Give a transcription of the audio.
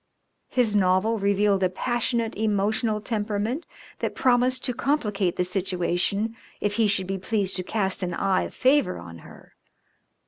His novel revealed a passionate, emotional temperament that promised to complicate the situation if he should be pleased to cast an eye of favour on her.